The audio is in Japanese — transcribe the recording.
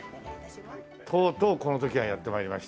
とうとうこの時がやって参りました。